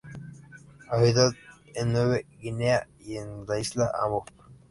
Habita en Nueva Guinea y en la Isla Ambon.